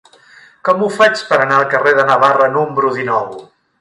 Com ho faig per anar al carrer de Navarra número dinou?